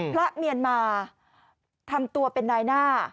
พระเมียนมาทำตัวเป็นนายหน้า